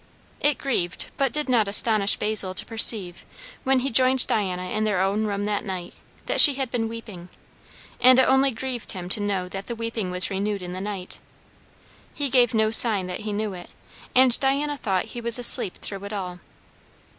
It grieved but did not astonish Basil to perceive, when he joined Diana in their own room that night, that she had been weeping; and it only grieved him to know that the weeping was renewed in the night. He gave no sign that he knew it, and Diana thought he was asleep through it all.